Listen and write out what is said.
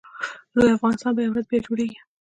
لوی افغانستان به یوه ورځ بیا جوړېږي